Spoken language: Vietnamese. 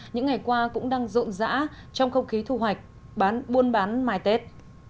những ngày qua cũng đang rộn rã trong không khí thu hoạch bán buôn bán mai tết